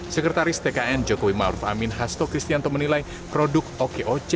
sekretaris tkn jokowi maruf amin hasto kristianto menilai produk okoc